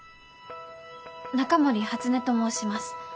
中森初音と申します。